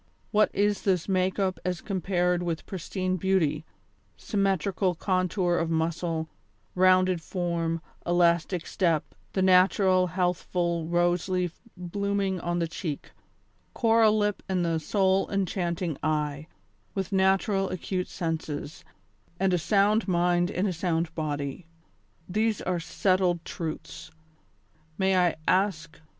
what is this make up as compared with pristine beauty, symmetrical contour of muscle, rounded form, elastic step, the natural, healthful rose leaf blooming on the cheek, coral lip and the soul enchanting eye, with naturally acute senses, and a sound mind in a sound body ! These are settled truths. May I ask.